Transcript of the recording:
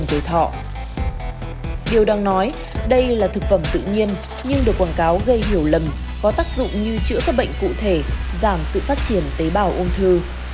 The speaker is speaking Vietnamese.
điều đáng nói đây là thực phẩm tự nhiên nhưng được quảng cáo gây hiểu lầm có tác dụng như chữa các bệnh cụ thể giảm sự phát triển tế bào ung thư